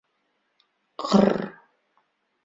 Ҡр...